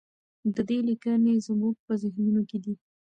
د ده لیکنې زموږ په ذهنونو کې دي.